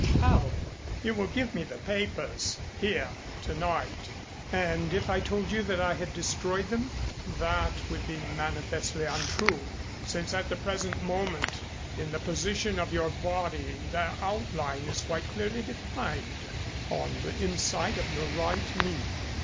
"How?" "You will give me the papers here, tonight." "And if I told you that I had destroyed them?" "That would be manifestly untrue, since at the present moment in the position of your body their outline is quite clearly defined on the inside of your right knee."